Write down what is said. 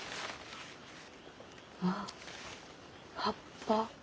あ葉っぱ？